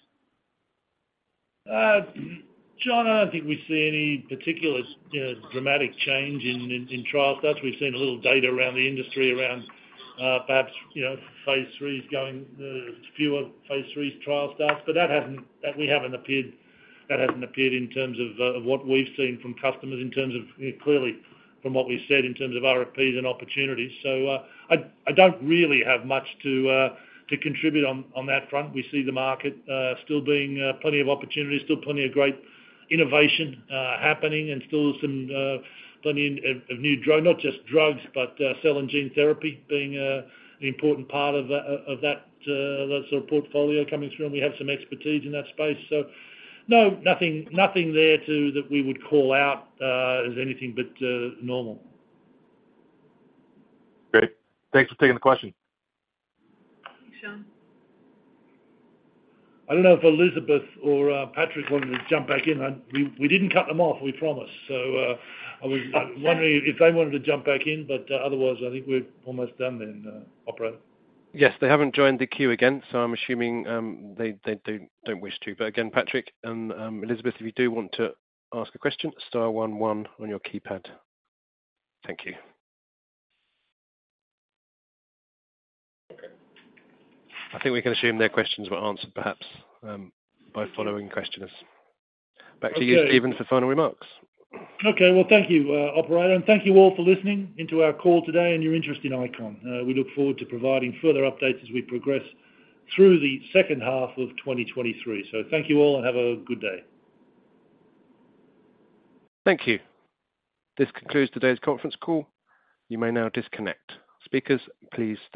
John, I don't think we see any particular, you know, dramatic change in trial starts. We've seen a little data around the industry, around, perhaps, you know, phase threes going, fewer phase threes trial starts, but that hasn't appeared in terms of what we've seen from customers in terms of, you know, clearly from what we've said in terms of RFPs and opportunities. I don't really have much to contribute on that front. We see the market, still being, plenty of opportunities, still plenty of great innovation, happening and still some, plenty of not just drugs, but, cell and gene therapy being, an important part of that, of that, that sort of portfolio coming through, and we have some expertise in that space. No, nothing, nothing there to, that we would call out, as anything but, normal. Great. Thanks for taking the question. Thanks, John. I don't know if Elizabeth or Patrick wanted to jump back in. I, we didn't cut them off, we promise. I was wondering if they wanted to jump back in. Otherwise, I think we're almost done, operator. Yes, they haven't joined the queue again, so I'm assuming they don't wish to. Again, Patrick and Elizabeth, if you do want to ask a question, star one one on your keypad. Thank you. Okay. I think we can assume their questions were answered, perhaps, by following questioners. Okay. Back to you, Steven, for final remarks. Okay. Well, thank you, operator, thank you all for listening into our call today and your interest in ICON. We look forward to providing further updates as we progress through the second half of 2023. Thank you all, and have a good day. Thank you. This concludes today's conference call. You may now disconnect. Speakers, please-